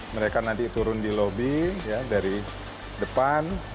mereka nanti turun di lobby ya dari depan